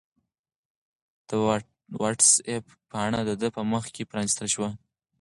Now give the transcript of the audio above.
د وټس-اپ پاڼه د ده په مخ کې پرانستل شوې وه.